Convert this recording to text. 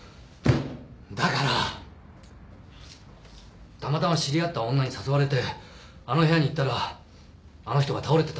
だからたまたま知り合った女に誘われてあの部屋に行ったらあの人が倒れてたんです。